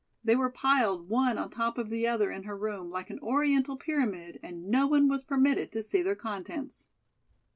They were piled one on top of the other in her room like an Oriental pyramid and no one was permitted to see their contents.